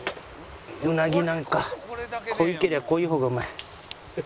ウナギなんか濃いけりゃ濃い方がうまい。